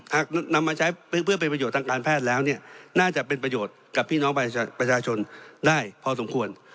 หากนำมาใช้เพื่อเป็นประโยชน์ทางการแพทย์แล้วเนี่ยน่าจะเป็นประโยชน์กับพี่น้องประชาชนได้พอสมควร